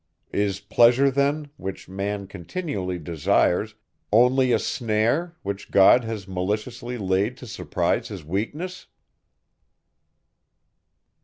Is pleasure then, which man continually desires, only a snare, which God has maliciously laid to surprise his weakness?